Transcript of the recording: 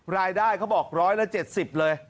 รายได้เขาบอก๑๗๐เลย